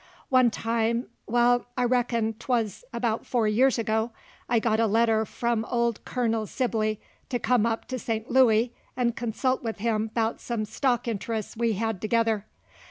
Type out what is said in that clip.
One time wall, I reckon 't wuz about four years ago I got a letter frum ol' Col. Sibley to come up to Saint Louey 'nd consult with him 'bout some stock int'rests we hed together.